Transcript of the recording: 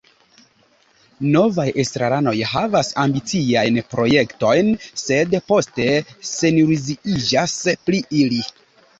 Novaj estraranoj havas ambiciajn projektojn, sed poste seniluziiĝas pri ili.